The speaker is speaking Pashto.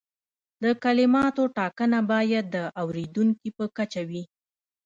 د کلماتو ټاکنه باید د اوریدونکي په کچه وي.